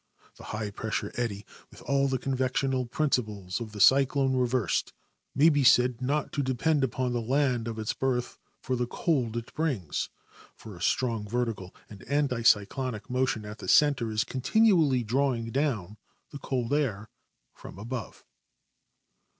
The high pressure eddy, with all the convectional principles of the cyclone reversed, may be said not to deiiend upon the land of its birth for the cold it brings, for a strong vortical and anti cyclonic motion at the center is continually drawing down the cohl air from above.